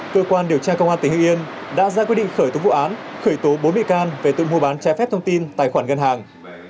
cơ quan điều tra công an tỉnh hưng yên đã ra quyết định khởi tố vụ án khởi tố bốn bị can về tội mua bán trái phép thông tin tài khoản ngân hàng